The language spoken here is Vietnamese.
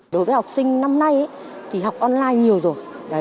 đối với học sinh năm nay thì học online nhiều rồi